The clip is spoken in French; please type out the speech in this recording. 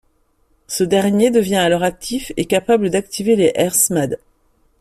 Ce dernier devient alors actif et capable d’activer les R-Smad.